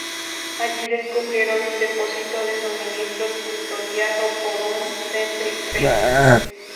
Allí, descubrieron un depósito de suministros custodiado por un Sentry Kree.